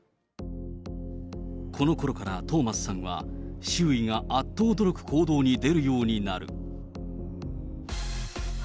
このころからトーマスさんは、周囲があっと驚く行動に出るようになる。